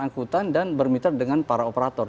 angkutan dan bermitra dengan para operator